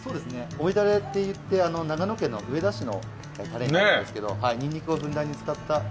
美味だれっていって長野県の上田市のたれになるんですけどニンニクをふんだんに使った。